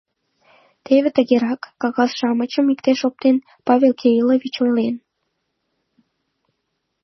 — Теве тыгерак, — кагаз-шамычым иктыш оптен, Павел Кириллович ойлен.